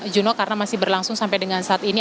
juno karena masih berlangsung sampai dengan saat ini